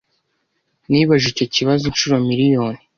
Nibajije icyo kibazo inshuro miriyoni.